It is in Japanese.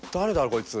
こいつ。